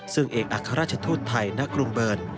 ซึ่งเอกอัฐรัชทุทธิ์ไทยณกรุงเบิร์น